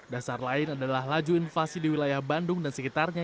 dasar lain adalah laju inflasi di wilayah bandung dan sekitarnya